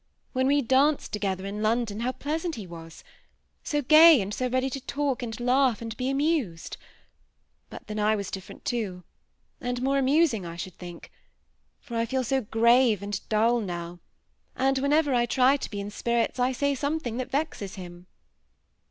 When we danced together in London, how pleasant he Was — so gay, and so ready to talk and laugh and to be amused ! but then I was different too, and more amus ing, I should think, for I feel so grave and dull now ; and whenever I tiy to be in spirits, I say something that vexes him.